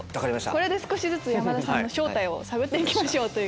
これで少しずつ山田さんの正体探って行きましょう。